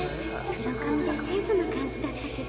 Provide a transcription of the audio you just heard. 黒髪で清楚な感じだったけど。